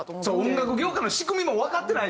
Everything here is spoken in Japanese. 音楽業界の仕組みもわかってないしね。